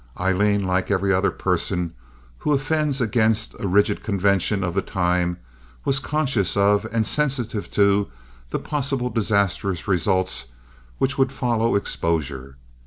Aileen, like every other person who offends against a rigid convention of the time, was conscious of and sensitive to the possible disastrous results which would follow exposure.